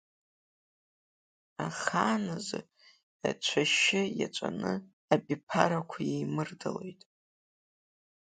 Ахааназы цәашьы иаҵәаны абиԥарақәа еимырдалоит.